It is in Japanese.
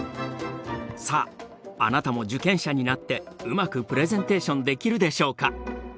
さああなたも受験者になってうまくプレゼンテーションできるでしょうか？